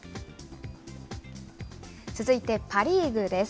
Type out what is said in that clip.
続いてパ・リーグです。